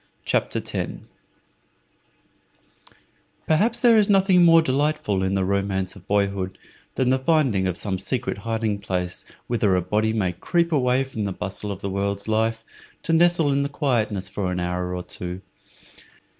CHAPTER 10 Perhaps there is nothing more delightful in the romance of boyhood than the finding of some secret hiding place whither a body may creep away from the bustle of the world's life, to nestle in quietness for an hour or two.